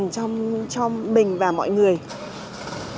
trong cuộc đời